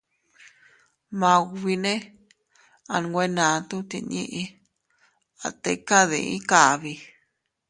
Maubine a nwe natu tinnii, a tika dii kabi.